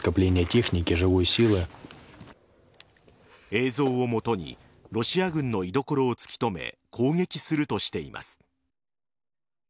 映像を基にロシア軍の居所を突き止め攻撃するとしています。